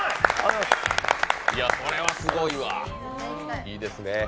これはすごいわいいですね。